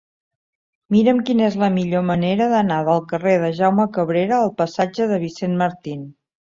Mira'm quina és la millor manera d'anar del carrer de Jaume Cabrera al passatge de Vicent Martín.